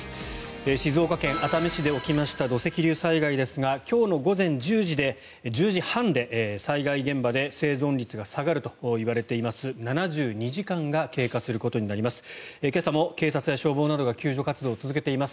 静岡県熱海市で起きました土石流災害ですが今日の午前１０時半で災害現場で生存率が下がるといわれている７２時間が経過することになります。